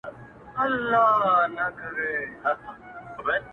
خو یو وخت څارنوال پوه په ټول داستان سو،